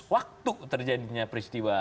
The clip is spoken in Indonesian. waktu terjadinya peristiwa